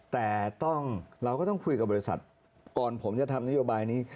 แต่เราก็ต้องคุยกับบริษัทก่อนผมจะทำนโยบายนี้